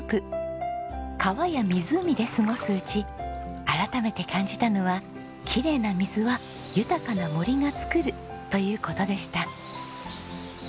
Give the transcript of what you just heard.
川や湖で過ごすうち改めて感じたのはきれいな水は豊かな森がつくるという事でした。